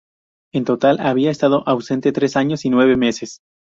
En total había estado ausente tres años y nueve meses.